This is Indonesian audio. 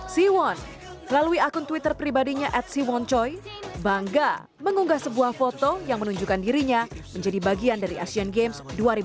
siwon melalui akun twitter pribadinya at siwon choi bangga mengunggah sebuah foto yang menunjukkan dirinya menjadi bagian dari asian games dua ribu delapan belas